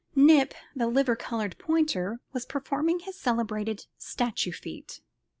Nip, the liver coloured pointer, was performing his celebrated statue feat.